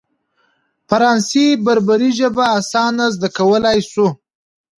فرانسې بربري ژبه اسانه زده کولای شو.